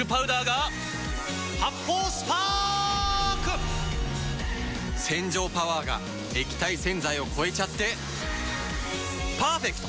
発泡スパーク‼洗浄パワーが液体洗剤を超えちゃってパーフェクト！